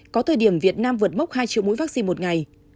có thời điểm việt nam vượt mốc hai triệu mũi vaccine một ngày